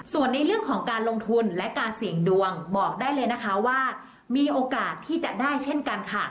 ส่วนในเรื่องของการลงทุนและการเสี่ยงดวงบอกได้เลยนะคะว่ามีโอกาสที่จะได้เช่นกันค่ะ